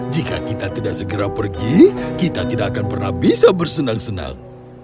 jika kita tidak segera pergi kita tidak akan pernah bisa bersenang senang